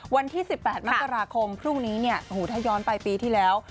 วันที่๑๘มกราคมพรุ่งนี้เนี่ยโอ้โหถ้าย้อนไปปีที่แล้ว